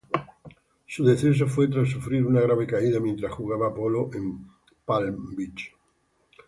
Su deceso fue tras sufrir una grave caída, mientras jugaba polo en Palm Beach.